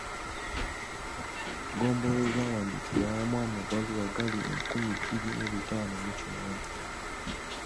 Ggombolola ezaawandiikirwa awamu amabaluwa gaali enkumi bbiri mu bitaano mu kinaana.